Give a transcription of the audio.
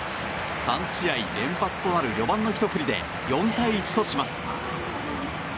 ３試合連発となる４番のひと振りで４対１とします。